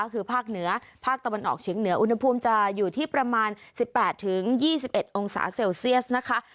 คือภาคเหนือภาคตะวันออกเฉียงเหนืออุณหภูมิจะอยู่ที่ประมาณ๑๘๒๑องศาเซลเซียสนะคะ